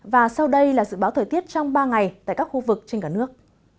và sau đây là dự báo thời tiết trong ba ngày tại các khu vực trên cả nước